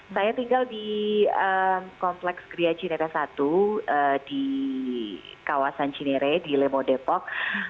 saya tinggal di kompleks geria cinere satu di kawasan cinere di lemo depok